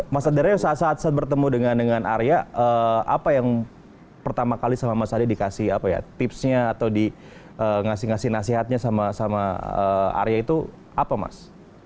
mas aderai saat saat saya bertemu dengan aria apa yang pertama kali sama mas aderai dikasih apa ya tipsnya atau di ngasih ngasih nasihatnya sama aria itu apa mas